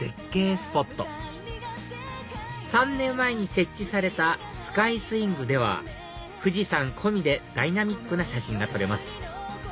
スポット３年前に設置されたスカイスウィングでは富士山込みでダイナミックな写真が撮れます